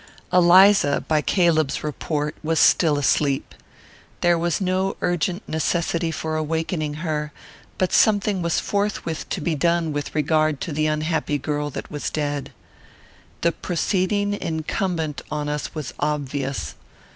Eliza, by Caleb's report, was still asleep. There was no urgent necessity for awakening her; but something was forthwith to be done with regard to the unhappy girl that was dead. The proceeding incumbent on us was obvious.